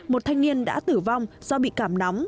một thanh niên đã tử vong do bị cảm nóng